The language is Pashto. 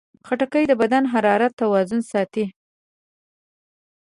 خټکی د بدن د حرارت توازن ساتي.